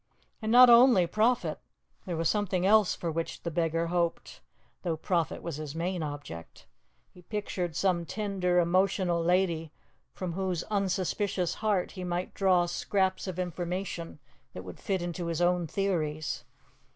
And not only profit. There was something else for which the beggar hoped, though profit was his main object. He pictured some tender, emotional lady from whose unsuspicious heart he might draw scraps of information that would fit into his own theories.